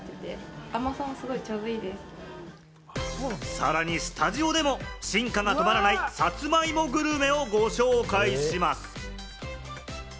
さらにスタジオでも進化が止まらない、さつまいもグルメをご紹介します。